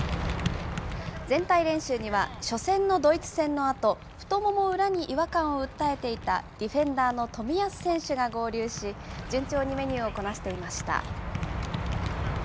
全体練習には初戦のドイツ戦のあと、太もも裏に違和感を訴えていたディフェンダーの冨安選手が合流し、順調にメニューをこなしていました。